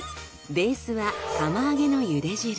ベースは釜揚げの茹で汁。